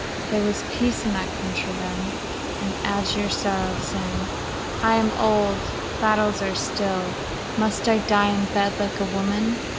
There was peace in that country then, and Aegir sorrowed, saying: "'I am old. Battles are still. Must I die in bed like a woman?